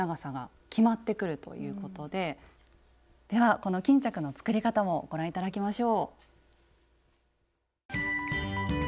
この巾着の作り方もご覧頂きましょう。